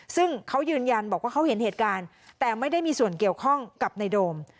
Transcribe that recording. ซึ่งเขายืนยันบอกว่าเขาเห็นเหตุการณ์แต่ไม่ได้มีส่วนเกี่ยวข้องกับในโดม